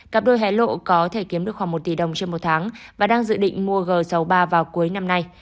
cặp đôi hé lộ có thể kiếm được khoảng một tỷ đồng trên một tháng và đang dự định mua g sáu mươi ba vào cuối năm nay